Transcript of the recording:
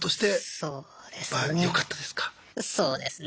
そうですね。